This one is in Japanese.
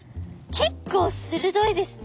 結構鋭いですね。